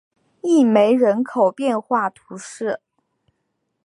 戈梅人口变化图示